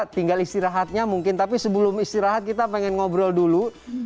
tinggal istirahatnya mungkin tapi sebelum istirahat kita pengen ngobrol dulu